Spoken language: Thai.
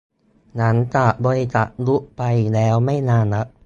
หลังจากบริษัทลุกไปแล้วไม่นานนัก